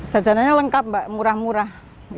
jajanannya lengkap mbak murah murah